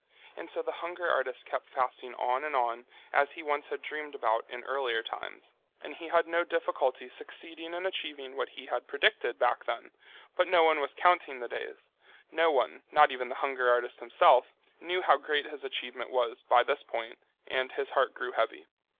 And so the hunger artist kept fasting on and on, as he once had dreamed about in earlier times, and he had no difficulty succeeding in achieving what he had predicted back then, but no one was counting the days—no one, not even the hunger artist himself, knew how great his achievement was by this point, and his heart grew heavy.